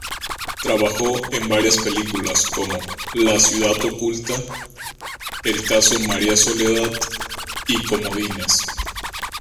Trabajó en varias películas como "La ciudad oculta", "El caso María Soledad" y "Comodines".